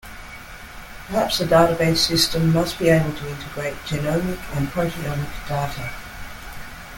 Perhaps a database system must be able to integrate genomic and proteomic data.